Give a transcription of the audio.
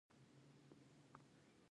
ایا سهار چای څښئ؟